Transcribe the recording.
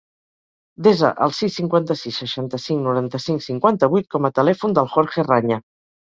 Desa el sis, cinquanta-sis, seixanta-cinc, noranta-cinc, cinquanta-vuit com a telèfon del Jorge Raña.